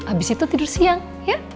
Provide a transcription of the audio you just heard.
abis itu tidur siang ya